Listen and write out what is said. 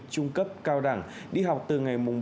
trung cấp cao đẳng đi học từ ngày